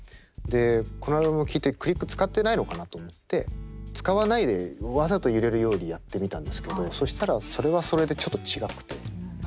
でこのアルバムを聴いてクリック使ってないのかなと思って使わないでわざと揺れるようにやってみたんですけどそしたらそれはそれでちょっと違くて。